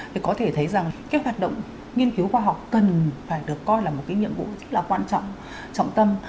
thì có thể thấy rằng cái hoạt động nghiên cứu khoa học cần phải được coi là một cái nhiệm vụ rất là quan trọng trọng tâm